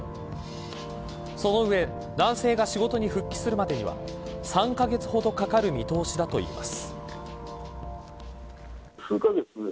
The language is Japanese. その上、男性が仕事に復帰するまでには３カ月ほどかかる見通しだといいます。